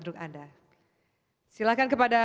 duruk anda silahkan kepada